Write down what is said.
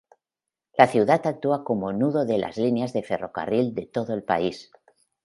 La ciudad actúa como nudo de las líneas de ferrocarril de todo el país.